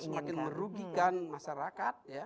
semakin merugikan masyarakat